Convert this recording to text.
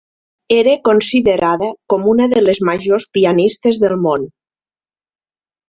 Era considerada com una de les majors pianistes del món.